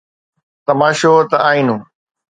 تماشو ته آئينو!